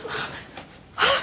あっ！